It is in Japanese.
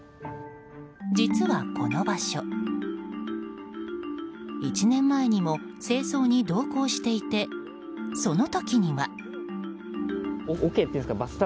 実はこの場所、１年前にも清掃に同行していてその時には。